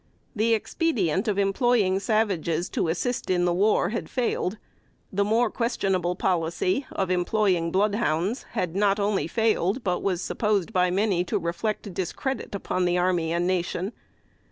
The expedient of employing savages to assist in the war had failed; the more questionable policy of employing blood hounds, had not only failed, but was supposed by many to reflect discredit upon the army and nation.